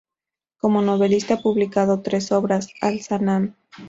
Como novelista ha publicado tres obras: "Al-Sanam.